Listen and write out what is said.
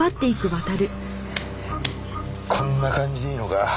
こんな感じでいいのか？